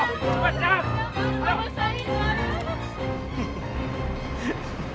kamu sendiri yang harus